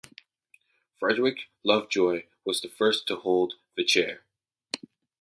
Frederick Lovejoy was the first to hold the chair.